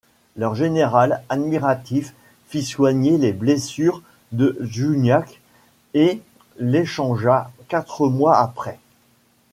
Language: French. Leur général, admiratif, fit soigner les blessures de Juniac et l'échangea quatre mois après.